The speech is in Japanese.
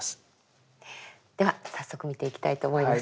では早速見ていきたいと思います。